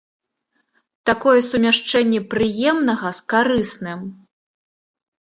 Такое сумяшчэнне прыемнага з карысным.